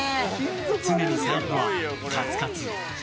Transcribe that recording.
常に財布はカツカツ。